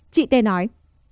chị t nói